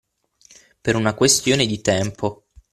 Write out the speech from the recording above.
Per una questione di tempo